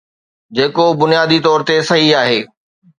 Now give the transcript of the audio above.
جيڪو بنيادي طور تي صحيح آهي.